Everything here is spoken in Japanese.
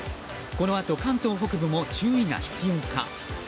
このあと関東北部も注意が必要か。